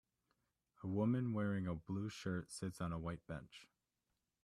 A woman wearing a blue shirt sits on a white bench.